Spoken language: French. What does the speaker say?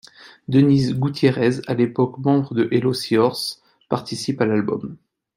Denise Gutiérrez, à l'époque membre de Hello Seahorse!, participe à l'album.